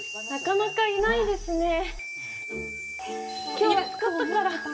今日、暑かったから。